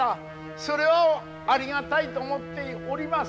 それはありがたいと思っております。